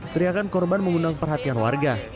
teriakan korban mengundang perhatian warga